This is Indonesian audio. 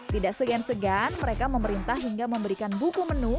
tidak segan segan mereka memerintah hingga memberikan buku menu